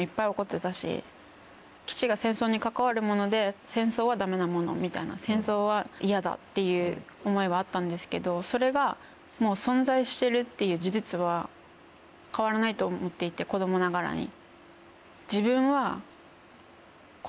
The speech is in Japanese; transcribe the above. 基地が戦争に関わるもので。っていう思いはあったんですけどそれがもう存在してるっていう事実は変わらないと思っていて子供ながらに。